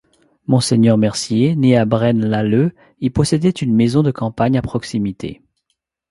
Monseigneur Mercier, né à Braine-l'Alleud, y possédait une maison de campagne à proximité.